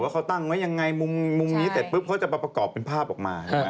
ว่าเขาตั้งไว้ยังไงมุมนี้เสร็จปลุ๊บจะประกอบเป็นภาพออกมา